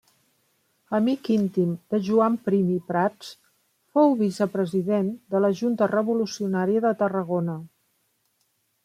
Amic íntim de Joan Prim i Prats, fou vicepresident de la Junta Revolucionària de Tarragona.